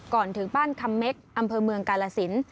ก่อนถึงบ้านคำเม็กอำเภอเมืองกาลสิน